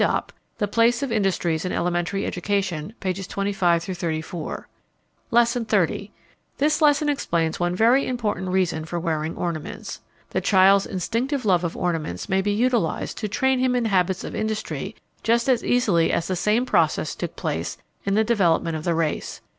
Dopp, The Place of Industries in Elementary Education, pp. 25 34. Lesson XXX. This lesson explains one very important reason for wearing ornaments. The child's instinctive love of ornaments may be utilized to train him in habits of industry just as easily as the same process took place in the development of the race.